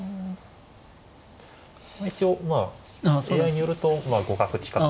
一応まあＡＩによると互角近く。